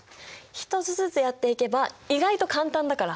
一つずつやっていけば意外と簡単だから。